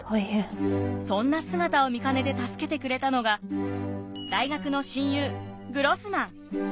そんな姿を見かねて助けてくれたのが大学の親友グロスマン。